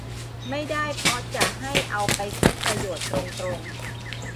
ไม่ได้เพราะจะให้เอาไปใช้ประโยชน์ตรงตรง